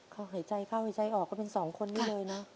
เขาหายใจเข้าหายใจออกก็เป็นสองคนนี้เลยนะ